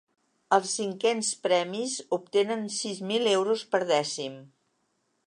Els cinquens premis obtenen sis mil euros per dècim.